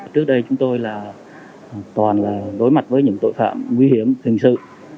trước đây chúng tôi là toàn là đối mặt với những tội phạm nguy hiểm hình sự